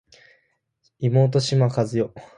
妹島和世